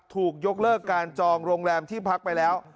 ถูกยกเลิกการจองโรงแรมที่พักไปแล้ว